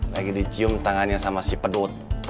lagi dicium tangannya sama si pedut